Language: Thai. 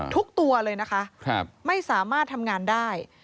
ตัวเลยนะคะไม่สามารถทำงานได้